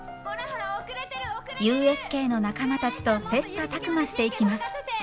ＵＳＫの仲間たちと切磋琢磨していきます。